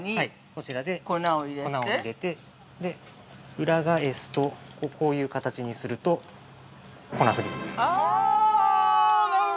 ◆こちらで粉を入れて、裏返すとこういう形にすると粉ふりになる。